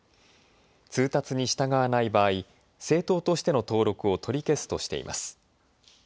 通達に従わない場合政党としての登録を取り消すとしています。